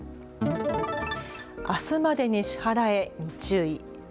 あすまでに支払えに注意。